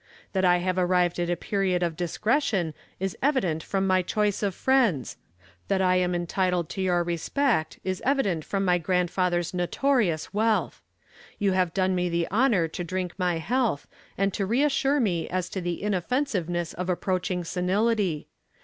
That I have arrived at a period of discretion is evident from my choice of friends; that I am entitled to your respect is evident from my grandfather's notorious wealth. You have done me the honor to drink my health and to reassure me as to the inoffensiveness of approaching senility.